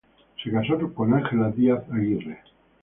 Se casó con Ángela Díaz Aguirre.